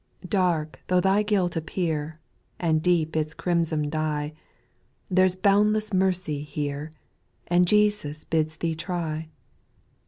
2. Dark though thy guilt appear, And deep its crimson dye, There 's boundless mercy here. And Jesus bids thee try.